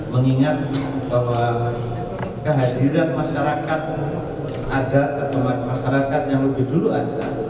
mengingat bahwa kehadiran masyarakat adat atau masyarakat yang lebih dulu ada